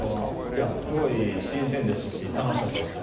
いやすごい新鮮でしたし楽しかったです。